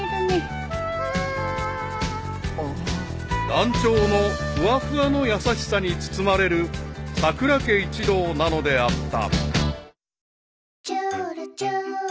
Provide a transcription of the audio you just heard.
［団長のふわふわの優しさに包まれるさくら家一同なのであった］